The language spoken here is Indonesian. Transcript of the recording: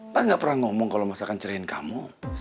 mas gak pernah ngomong kalau mas akan ceraiin kamu